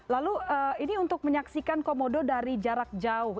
lalu ini untuk menyaksikan komodo dari jarak jauh